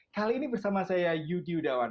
kali ini bersama saya yudi yudawan